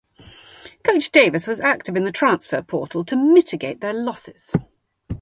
Coach Davis was active in the transfer portal to mitigate these losses.